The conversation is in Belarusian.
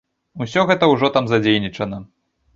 Усё гэта ўжо там задзейнічана.